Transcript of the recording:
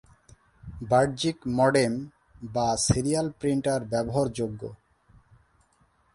বাহ্যিক মডেম বা serial printer ব্যবহারযোগ্য।